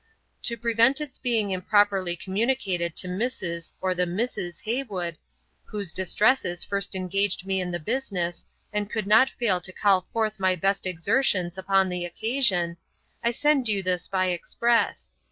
To prevent its being improperly communicated to Mrs. or the Misses Heywood, whose distresses first engaged me in the business, and could not fail to call forth my best exertions upon the occasion, I send you this by express.